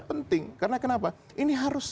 penting karena kenapa ini harus